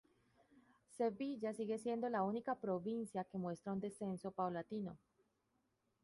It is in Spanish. Sevilla sigue siendo la única provincia que muestra un descenso paulatino